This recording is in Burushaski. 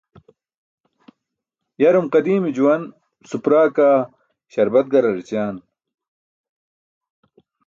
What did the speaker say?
yarum qadiime juwan supra kaa śarbat garar ećaan